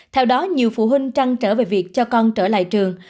theo đó nhiều phụ huynh trăng trở về việc cho con trở lại trường